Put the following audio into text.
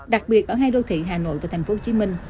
đặc biệt ở hai đô thị hà nội và tp hcm